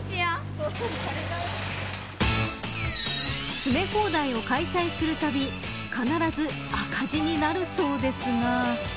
詰め放題を開催するたび必ず赤字になるそうですが。